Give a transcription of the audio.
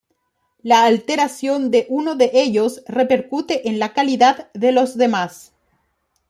La alteración de uno de ellos repercute en la calidad de los demás.